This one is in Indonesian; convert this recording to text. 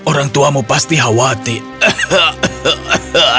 orang tuamu pasti khawatir